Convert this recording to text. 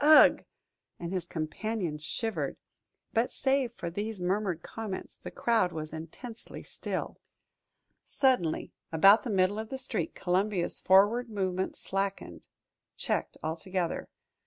Ugh!" and his companion shivered. But save for these murmured comments, the crowd was intensely still. Suddenly, about the middle of the street, Columbia's forward movement slackened, checked altogether.